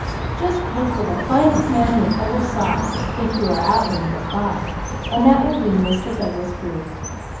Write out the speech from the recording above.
Just look for the finest man you ever saw, if you are out when he goes by, and that will be Mr. Douglas Bruce."